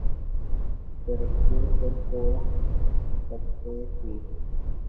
ترکی خود کو خطے کی